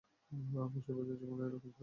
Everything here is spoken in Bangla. সিপাহীদের জীবন এরকমই হয়।